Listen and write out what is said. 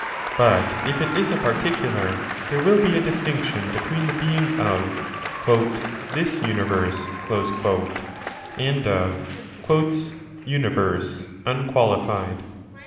But if it is a particular, there will be a distinction between the being of 'this universe' and of 'universe' unqualified.